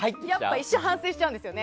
一瞬反省しちゃうんですよね。